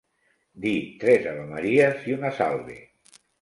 Dir tres avemaries i una salve.